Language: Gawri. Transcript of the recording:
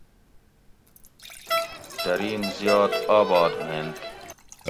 درین زیات آباد ھوئینت